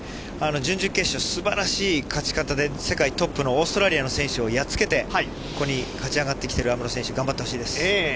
準々決勝は素晴らしい勝ち方で世界トップのオーストラリアの選手をやっつけて、ここに勝ち上がってきている有夢路選手、頑張ってほしいです。